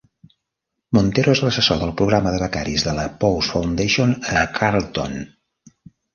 Montero és l'assessor del programa de becaris de la Posse Foundation a Carleton.